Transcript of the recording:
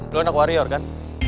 lu anak warior kan